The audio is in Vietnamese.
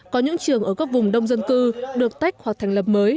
có những trường ở các vùng đông dân cư được tách hoặc thành lập mới